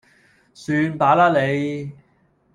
算罷啦你